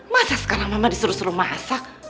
masa sekarang mama disuruh suruh masak